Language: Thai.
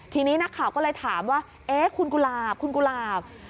ทีนี้นักข่าวก็เลยถามว่าเอ๊ะคุณกุหลาบคุณกุหลาบ